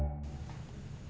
pasti dp mobil kepake semua kang